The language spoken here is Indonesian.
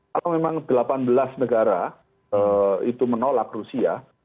kalau memang delapan belas negara itu menolak rusia